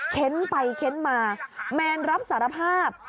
เค้นไปเค้นมาแมนรับสารภาพ